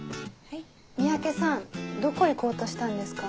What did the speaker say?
三宅さんどこ行こうとしたんですか？